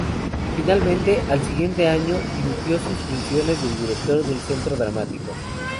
Finalmente, al siguiente año dimitió de sus funciones de director del Centro dramático.